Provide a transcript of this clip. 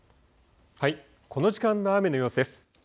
この時間の雨の様子です。